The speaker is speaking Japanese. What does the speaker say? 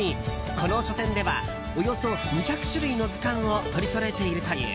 この書店ではおよそ２００種類の図鑑を取りそろえているという。